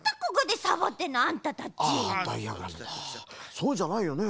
そうじゃないよね。